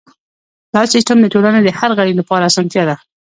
دا سیستم د ټولنې د هر غړي لپاره اسانتیا ده.